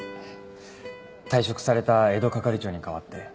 退職された江戸係長に代わって。